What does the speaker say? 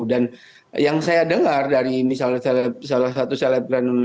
dan yang saya dengar dari salah satu salegram